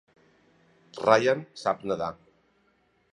Ryan sap nedar.